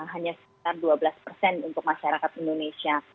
hanya sekitar dua belas persen untuk masyarakat indonesia